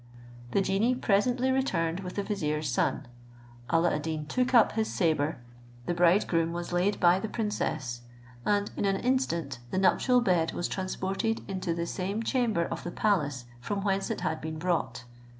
The genie presently returned with the vizier's son. Alla ad Deen took up his sabre, the bridegroom was laid by the princess, and in an instant the nuptial bed was transported into the same chamber of the palace from whence it had been brought.